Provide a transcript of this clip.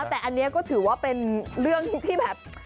แต่อันนี้ก็ถือว่าเป็นเรื่องที่แบบ